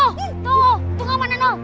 tunggu paman danu